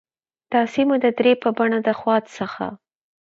دا سیمه د درې په بڼه د خوات څخه